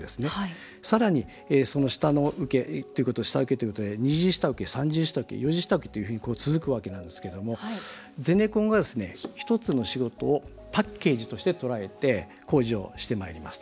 さらにその下の下請ということで二次下請、三次下請、四次下請と続くわけなんですけどもゼネコンが、１つの仕事をパッケージとして捉えて工事をしてまいります。